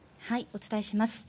お伝えします。